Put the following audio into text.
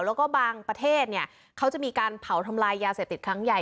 แล้วก็บางประเทศเนี่ยเขาจะมีการเผาทำลายยาเสพติดครั้งใหญ่